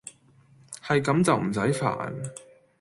係咁就唔駛煩